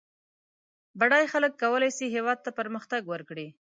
بډای خلک کولای سي هېواد ته پرمختګ ورکړي